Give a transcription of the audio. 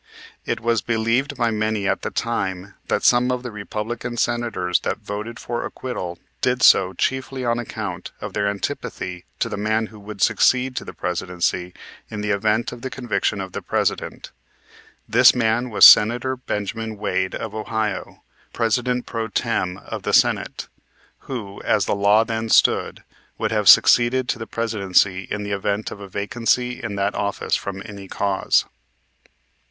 It was believed by many at the time that some of the Republican Senators that voted for acquittal did so chiefly on account of their antipathy to the man who would succeed to the Presidency in the event of the conviction of the President. This man was Senator Benjamin Wade, of Ohio, President pro tem. of the Senate, who, as the law then stood, would have succeeded to the Presidency in the event of a vacancy in that office from any cause.